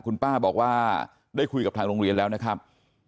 คุณป้าบอกว่าได้คุยกับทางโรงเรียนแล้วนะครับ